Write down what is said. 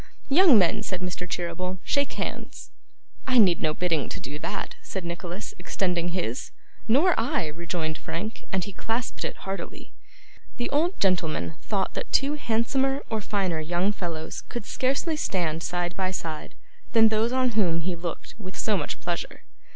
'Young men,' said Mr. Cheeryble, 'shake hands!' 'I need no bidding to do that,' said Nicholas, extending his. 'Nor I,' rejoined Frank, as he clasped it heartily. The old gentleman thought that two handsomer or finer young fellows could scarcely stand side by side than those on whom he looked with so much pleasure.